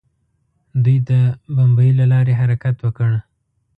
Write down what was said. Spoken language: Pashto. دوی د بمیي له لارې حرکت وکړ.